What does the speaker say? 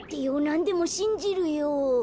なんでもしんじるよ。